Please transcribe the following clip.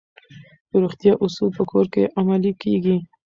د روغتیا اصول په کور کې عملي کیږي.